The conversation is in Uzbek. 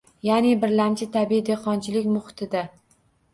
Ya'ni, birlamchi tabiiy dehqonchilik muhitida